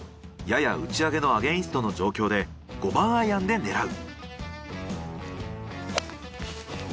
やや打ち上げのアゲインストの状況で５番アイアンで狙う。